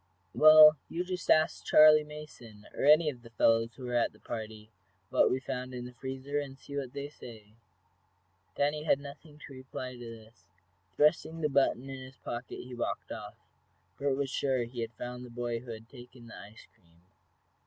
"Well, you just ask Charley Mason, or any of the fellows who were at the party, what we found in the freezer, and see what they say." Danny had nothing to reply to this. Thrusting the button in his pocket he walked off. Bert was sure he had found the boy who had taken the ice cream.